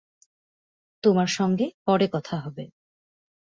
তোমার সঙ্গে পরে কথা হবে।